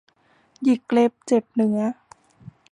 หยิกเล็บเจ็บเนื้อ